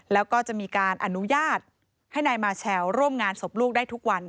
แล้วก็จะมีการอนุญาตให้นายมาเชลร่วมงานศพลูกได้ทุกวัน